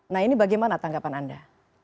nah ini bagaimana tanggapan anda